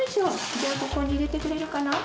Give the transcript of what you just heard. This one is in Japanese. じゃあここに入れてくれるかな。